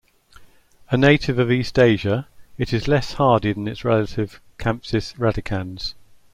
A native of East Asia, it is less hardy than its relative "Campsis radicans".